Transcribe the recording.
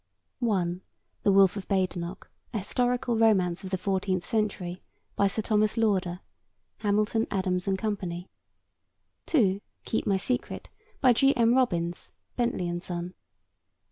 (1) The Wolfe of Badenoch: A Historical Romance of the Fourteenth Century. By Sir Thomas Lauder. (Hamilton, Adams and Co.) (2) Keep My Secret. By G. M. Robins. (Bentley and Son.)